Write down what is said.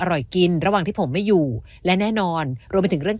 อร่อยกินระหว่างที่ผมไม่อยู่และแน่นอนรวมไปถึงเรื่อง